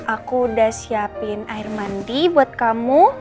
aku udah siapin air mandi buat kamu